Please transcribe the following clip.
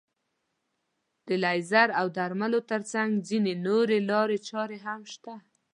د لیزر او درملو تر څنګ ځينې نورې لارې چارې هم شته.